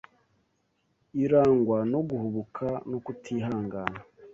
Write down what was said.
irangwa no guhubuka no kutihangana